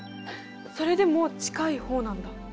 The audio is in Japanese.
それでも近い方なんだ。